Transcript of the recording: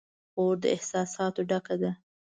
خور د احساساتو ډکه ده.